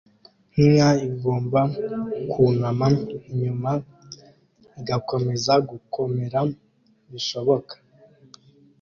Inka igomba kwunama inyuma igakomeza gukomera bishoboka